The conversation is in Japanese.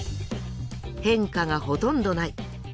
変化がほとんどない。